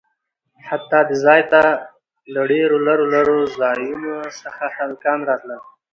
حتا د ځاى ته له ډېرو لرو لرو ځايونه څخه هلکان راتلل.